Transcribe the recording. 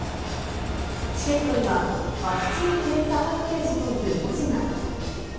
チケットにはワクチン・検査パッケージという文字が。